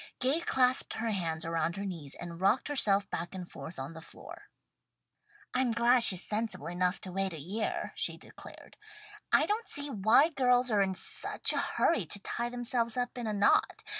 Gay clasped her hands around her knees and rocked herself back and forth on the floor. "I'm glad she's sensible enough to wait a year," she declared. "I don't see why girls are in such a hurry to tie themselves up in a knot.